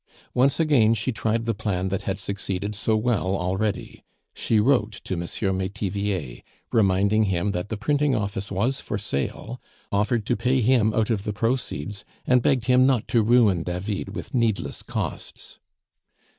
Once again she tried the plan that had succeeded so well already. She wrote to M. Metivier, reminding him that the printing office was for sale, offered to pay him out of the proceeds, and begged him not to ruin David with needless costs.